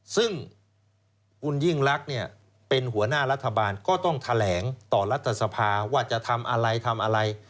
ซึ่งคุณยิ่งรักเนี่ยเป็นหัวหน้ารัฐบาลก็ต้องแถลงต่อรัฐสภาว่าจะทำอะไรทำอะไร